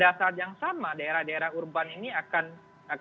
dan pada saat yang sama daerah daerah urban ini akan terjadi